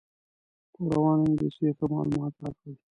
په روانه انګلیسي یې ښه معلومات راکړل.